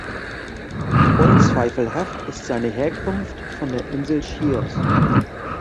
Unzweifelhaft ist seine Herkunft von der Insel Chios.